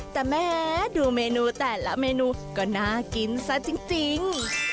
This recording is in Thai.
แต่แม้ดูเมนูแต่ละเมนูก็น่ากินซะจริง